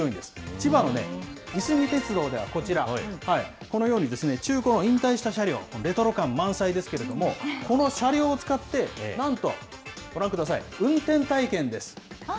千葉のね、いすみ鉄道ではこちら、このようにですね、中古の引退した車両、レトロ感満載ですけれども、この車両を使って、なんと、いいなあ。